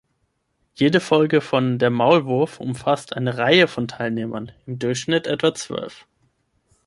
Jede Folge von „Der Maulwurf" umfasst eine Reihe von Teilnehmern, im Durchschnitt etwa zwölf.